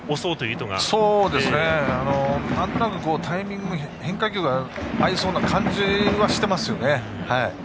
なんとなくタイミングが変化球が合いそうな感じはしていますよね。